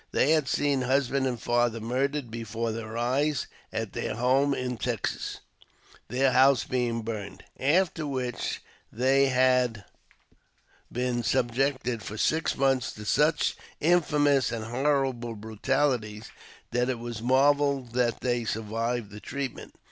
They had seen husband and father murdered before their eyes at their home in Texas, their house being burned : after which they had been subjected for six months to such infamous and horrible brutalities that it was a marvel that they survived the treatment.